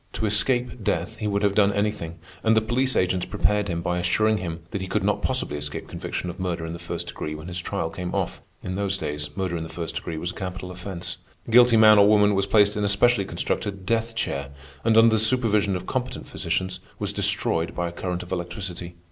To escape death he would have done anything, and the police agents prepared him by assuring him that he could not possibly escape conviction of murder in the first degree when his trial came off. In those days, murder in the first degree was a capital offense. The guilty man or woman was placed in a specially constructed death chair, and, under the supervision of competent physicians, was destroyed by a current of electricity.